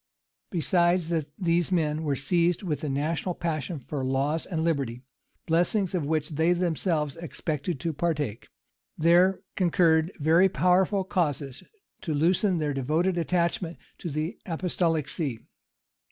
Besides that these men were seized with the national passion for laws and liberty, blessings of which they themselves expected to partake, there concurred very powerful causes to loosen their devoted attachment to the apostolic see.